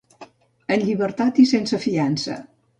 En llibertat i sense fiança.